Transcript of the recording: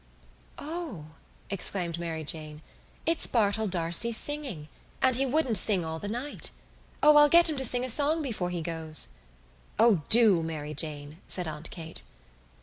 "O," exclaimed Mary Jane. "It's Bartell D'Arcy singing and he wouldn't sing all the night. O, I'll get him to sing a song before he goes." "O do, Mary Jane," said Aunt Kate.